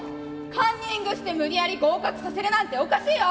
カンニングして無理やり合格させるなんておかしいよ！」。